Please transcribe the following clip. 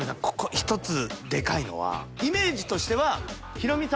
ここ１つデカいのはイメージとしては結構。